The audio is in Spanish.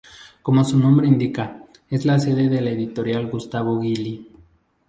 Como su nombre indica, es la sede de la Editorial Gustavo Gili.